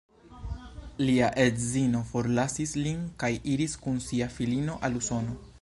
Lia edzino forlasis lin kaj iris kun sia filino al Usono.